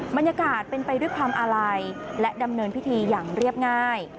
บรรยากาศเป็นไปด้วยความอาลัยและดำเนินพิธีอย่างเรียบง่าย